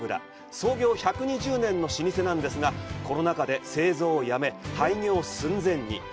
創業１２０年の老舗ですが、コロナ禍で製造を止め、廃業寸前に。